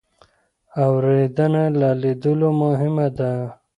اورېدنه له لیدلو مهمه ده.